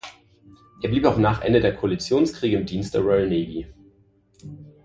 Er blieb auch nach Ende der Koalitionskriege im Dienst der Royal Navy.